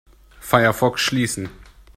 Firefox schließen.